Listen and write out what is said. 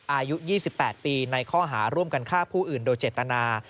อายุ๒๘ปีในข้อหาร่วมกันฆ่าผู้อื่นโดยเจตนา